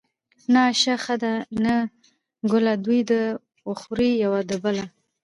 ـ نه آشه ښه ده نه ګله دوي د وخوري يو د بله.